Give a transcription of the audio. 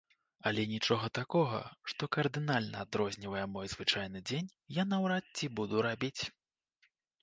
Але нічога такога, што кардынальна адрознівае мой звычайны дзень, я наўрад ці буду рабіць.